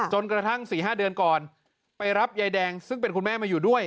จนกระทั่ง๔๕เดือนก่อนไปรับยายแดงซึ่งเป็นคุณแม่มาอยู่ด้วย